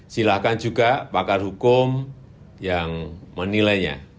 silahkan juga pakar hukum yang menilainya